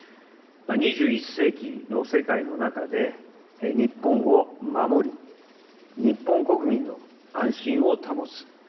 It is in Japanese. ２１世紀の世界の中で、日本を守り、日本国民の安心を保つ。